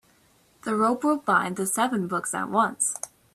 The rope will bind the seven books at once.